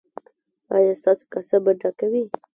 ایا ستاسو کاسه به ډکه وي؟